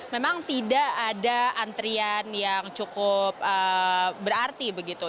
memang tidak ada antrian yang cukup berarti begitu